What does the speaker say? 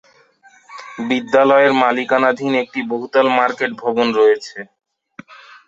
বিদ্যালয়ের মালিকানাধীন একটি বহুতল মার্কেট ভবন রয়েছে।